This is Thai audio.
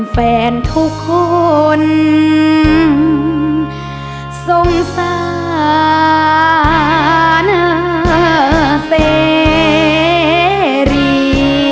แฟนทุกคนสงสารเซรี